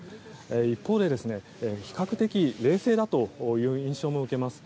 一方で比較的冷静だという印象も受けます。